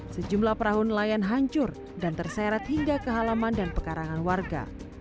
sejumlah perahu nelayan hancur dan terseret hingga ke halaman dan pekarangan warga